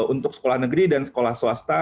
untuk sekolah negeri dan sekolah swasta